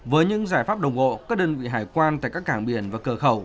với những giải pháp đồng hộ các đơn vị hải quan tại các cảng biển và cờ khẩu